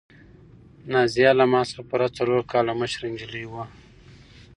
نازیه له ما څخه پوره څلور کاله مشره نجلۍ وه.